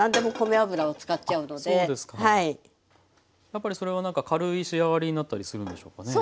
やっぱりそれは何か軽い仕上がりになったりするんでしょうかね？